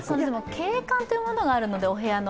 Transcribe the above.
景観というものがあるので、お部屋の。